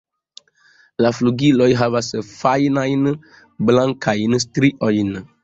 La flugiloj havas fajnajn blankajn striojn.